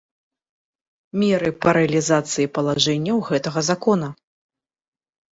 Меры па рэалiзацыi палажэнняў гэтага Закона